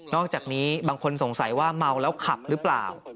อกจากนี้บางคนสงสัยว่าเมาแล้วขับหรือเปล่า